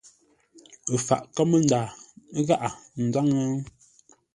Ə faʼ kámə́nda gháʼa nzáŋə́?